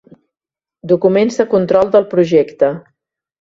Documents de control del projecte.